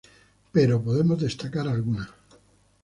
Pero podemos destacar alguna.